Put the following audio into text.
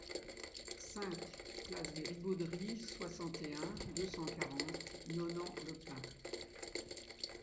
cinq place des Ribauderies, soixante et un, deux cent quarante, Nonant-le-Pin